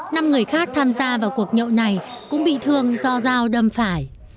năm người khác tham gia vào cuộc nhậu này cũng bị thương do dao đâm phải